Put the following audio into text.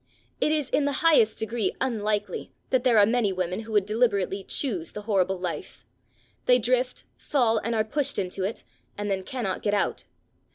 It is in the highest degree unlikely that there are many women who would deliberately choose the horrible life. They drift, fall and are pushed into it and then cannot get out.